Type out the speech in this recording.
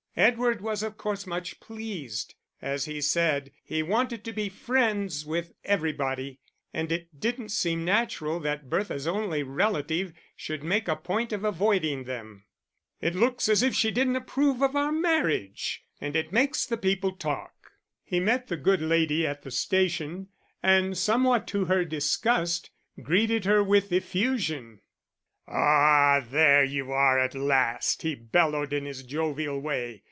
Edward was of course much pleased; as he said, he wanted to be friends with everybody, and it didn't seem natural that Bertha's only relative should make a point of avoiding them. "It looks as if she didn't approve of our marriage, and it makes the people talk." He met the good lady at the station, and somewhat to her disgust greeted her with effusion. "Ah, here you are at last!" he bellowed, in his jovial way.